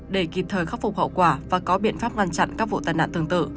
để kịp thời khắc phục hậu quả và có biện pháp ngăn chặn các vụ tai nạn tương tự